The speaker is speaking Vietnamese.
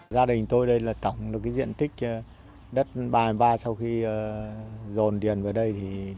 gia đình tôi đây là tổng được cái diện tích đất ba mươi ba sau khi dồn tiền vào đây